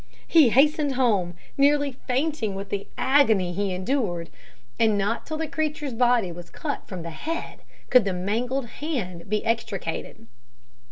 He hastened home, nearly fainting with the agony he endured, and not till the creature's body was cut from the head could the mangled hand be extricated.